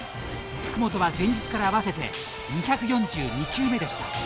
福本は前日から合わせて２４２球目でした。